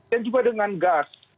dan juga dengan gas